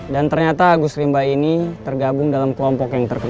dan ternyata agus limba ini tergabung dalam kelompok yang terkenal